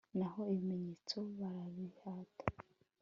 Naho ibimenyetso barabihata